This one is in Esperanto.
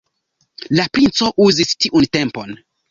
La princo uzis tiun tempon.